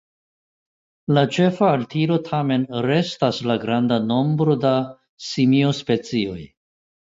La ĉefa altiro tamen restas la granda nombro da simiospecioj.